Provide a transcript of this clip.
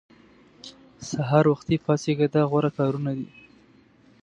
سهار وختي پاڅېږه دا غوره کارونه دي.